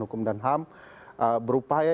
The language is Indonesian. hukum dan ham berupaya